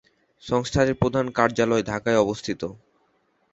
সংস্থাটির প্রধান কার্যালয় ঢাকায় অবস্থিত।